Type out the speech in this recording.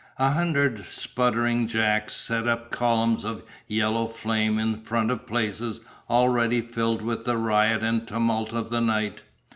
A hundred sputtering "jacks" sent up columns of yellow flame in front of places already filled with the riot and tumult of the night.